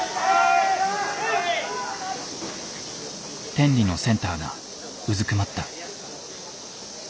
天理のセンターがうずくまった。